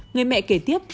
người mẹ kể tiếp